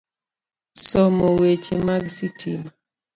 Somo weche mag sitima,